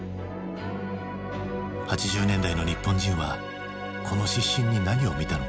８０年代の日本人はこの失神に何を見たのか。